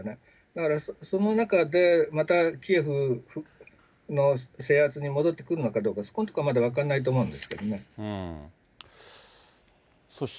だからその中で、またキーウの制圧に戻ってくるのかどうか、そこのところはまだ分からないと思うんですけれども。